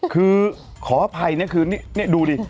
คือขออภัยนะคือนี่ดูดิ